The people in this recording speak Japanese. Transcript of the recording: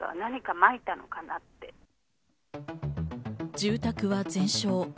住宅は全焼。